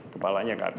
kepalanya ke atas